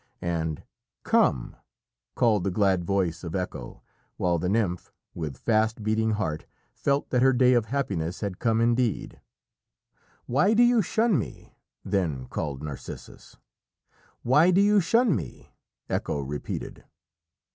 And "Come!" called the glad voice of Echo, while the nymph, with fast beating heart, felt that her day of happiness had come indeed. "Why do you shun me?" then called Narcissus. "Why do you shun me?" Echo repeated.